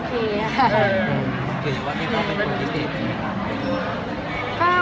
คู่เบสเขาไว้ก่อนใช่ไหม